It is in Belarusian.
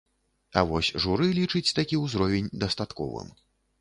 А вось журы лічыць такі ўзровень дастатковым.